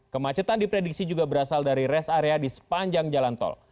kemacetan diprediksi juga berasal dari rest area di sepanjang jalan tol